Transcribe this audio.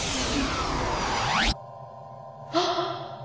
あっ。